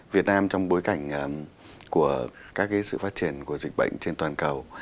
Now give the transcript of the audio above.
việt nam trong bối cảnh của các sự phát triển của dịch bệnh trên toàn cầu